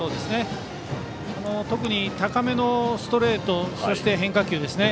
特に、高めのストレートそして変化球ですね。